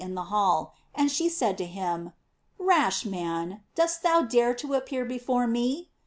695 in the hall, and she said to him: "Rash man, dost thou dare to appear before me?